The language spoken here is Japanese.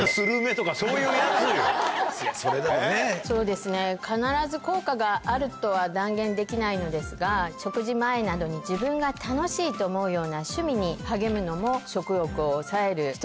そうですね必ず効果があるとは断言できないのですが食事前などに自分が楽しいと思うような趣味に励むのも。